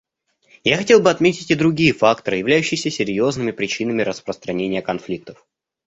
Я хотел бы отметить и другие факторы, являющиеся серьезными причинами распространения конфликтов.